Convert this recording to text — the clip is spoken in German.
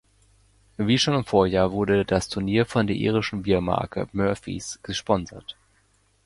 Wie schon im Vorjahr wurde das Turnier von der irischen Biermarke "Murphy’s" gesponsert.